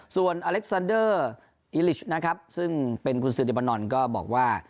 ส่วนอเล็กซานเดอร์อิลิชนะครับซึ่งเป็นกุญสือเดบานอนก็บอกว่า